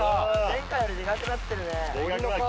前回よりデカくなってるね。